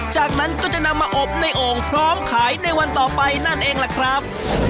จากนั้นก็จะนำมาอบในโอ่งพร้อมขายในวันต่อไปนั่นเองล่ะครับ